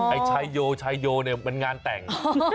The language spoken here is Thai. ไอ้ชัยโยเนี่ยมันงานแต่ง